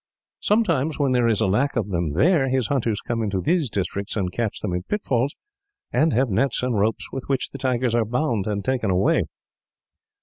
Sometimes, when there is a lack of them there, his hunters come into these districts, and catch them in pitfalls, and have nets and ropes with which the tigers are bound and taken away."